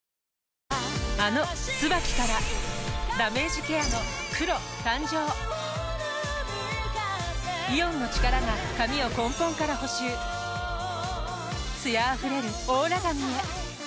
あの「ＴＳＵＢＡＫＩ」からダメージケアの黒誕生イオンの力が髪を根本から補修艶あふれるオーラ髪へ「黒ＴＳＵＢＡＫＩ」